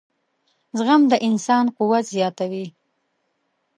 • زغم د انسان قوت زیاتوي.